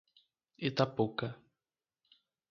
Itapuca